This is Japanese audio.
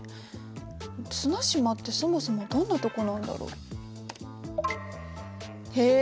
綱島ってそもそもどんなとこなんだろう？へえ。